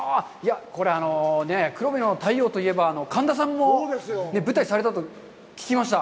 これはね、「黒部の太陽」といえば神田さんも、舞台されたと聞きました。